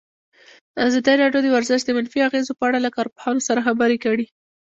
ازادي راډیو د ورزش د منفي اغېزو په اړه له کارپوهانو سره خبرې کړي.